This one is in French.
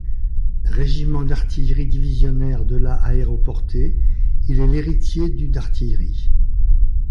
Régiment d’artillerie divisionnaire de la aéroportée, il est l'héritier du d'artillerie.